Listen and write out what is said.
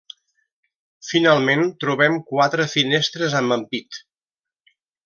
Finalment, trobem quatre finestres amb ampit.